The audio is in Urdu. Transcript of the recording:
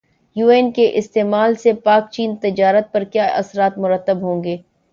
یوان کے استعمال سے پاکچین تجارت پر کیا اثرات مرتب ہوں گے